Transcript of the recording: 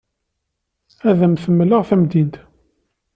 Ad am-d-mleɣ tamdint.